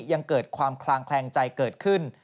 ยังเกิดความคลางแคลงใจเกิดขึ้น